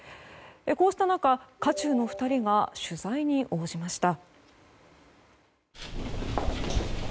こうした中、渦中の２人が取材に応じました。